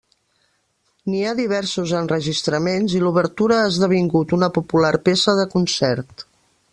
N'hi ha diversos enregistraments i l'obertura ha esdevingut una popular peça de concert.